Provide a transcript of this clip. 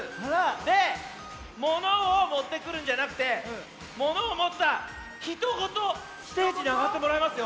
でものをもってくるんじゃなくてものをもったひとごとステージにあがってもらいますよ。